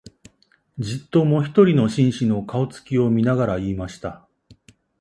じっと、もひとりの紳士の、顔つきを見ながら言いました